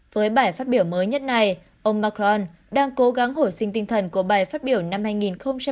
với bài phát biểu mới nhất này ông macron đang cố gắng hồi sinh tinh thần của bài phát biểu năm hai nghìn một mươi chín